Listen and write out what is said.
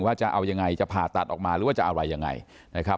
จะเอายังไงจะผ่าตัดออกมาหรือว่าจะอะไรยังไงนะครับ